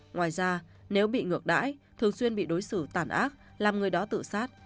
ngoài ra nếu bị ngược đãi thường xuyên bị đối xử tàn ác làm người đó tự sát